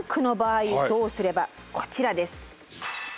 こちらです。